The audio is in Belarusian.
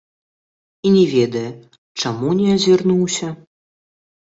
І не ведае, чаму не азірнуўся.